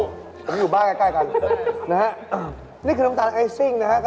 ก็ว่าอยู่บ้านใกล้กันนะครับ